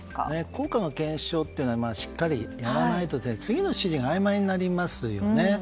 効果の検証はしっかりやらないと次の指示があいまいにありますよね。